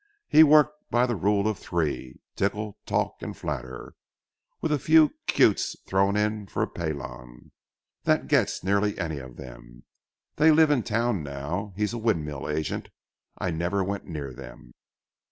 He worked by the rule of three,—tickle, talk, and flatter, with a few cutes thrown in for a pelon; that gets nearly any of them. They live in town now. He's a windmill agent. I never went near them."